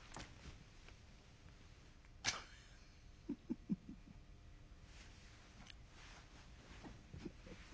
「フフフフ。